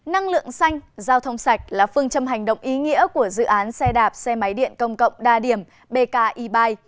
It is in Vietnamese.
năng lượng xanh giao thông sạch là phương châm hành động ý nghĩa của dự án xe đạp xe máy điện công cộng đa điểm bki